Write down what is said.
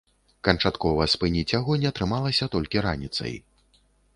Канчаткова спыніць агонь атрымалася толькі раніцай.